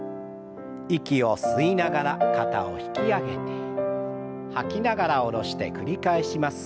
息を吸いながら肩を引き上げて吐きながら下ろして繰り返します。